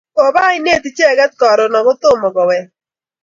Kopa ainet icheket koron ako tomo kowek